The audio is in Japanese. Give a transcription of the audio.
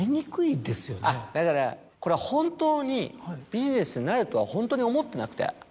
だからこれは本当にビジネスになるとはホントに思ってなくて。